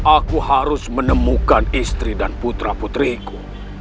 aku harus menemukan istri dan putra putriku